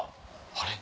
あれ？